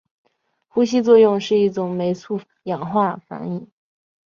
呼吸作用是一种酶促氧化反应。